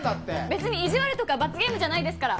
別に意地悪とか罰ゲームじゃないですから！